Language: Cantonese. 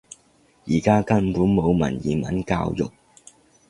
而家根本冇文言文教育